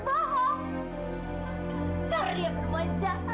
dia besar dia berbuat jahat pak